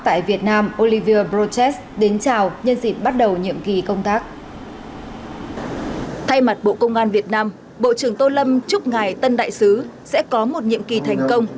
thay mặt bộ công an việt nam bộ trưởng tô lâm chúc ngài tân đại sứ sẽ có một nhiệm kỳ thành công